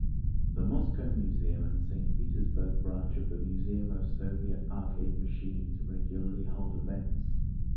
The Moscow Museum and Saint Petersburg branch of the Museum of Soviet Arcade Machines regularly hold events.